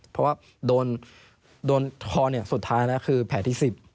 เพราะว่าโดนคอเนี่ยสุดท้ายนะคือแผลที่๑๐